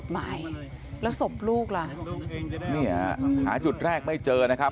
หมายแล้วศพลูกล่ะเนี่ยหาจุดแรกไม่เจอนะครับ